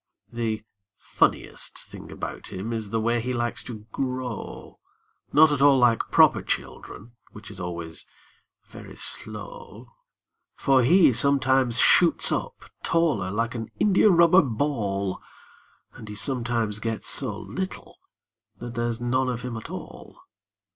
The funniest thing about him is the way he likes to grow— Not at all like proper children, which is always very slow; For he sometimes shoots up taller like an india rubber ball, And he sometimes gets so little that there's none of him at all.